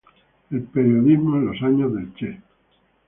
El periodismo en los años del Che.